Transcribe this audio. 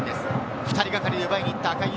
２人がかりで奪いに行った。